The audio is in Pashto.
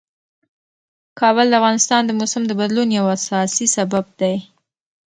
کابل د افغانستان د موسم د بدلون یو اساسي سبب دی.